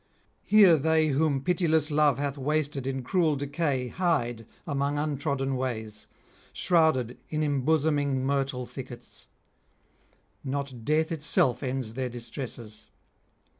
Here they whom pitiless love hath wasted in cruel decay hide among untrodden ways, shrouded in embosoming myrtle thickets; not death itself ends their distresses.